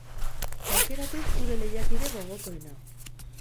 Aukeratu zure lehiakide gogokoena!